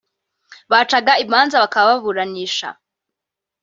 bagaca imanza bakaburanisha